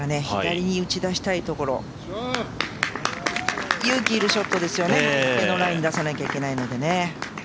左に打ち出したいところ、勇気要るショットですよね、このラインに出さなきゃいけないので。